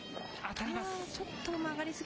当たります。